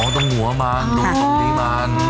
อ๋อตรงหัวมันตรงตรงนี้มัน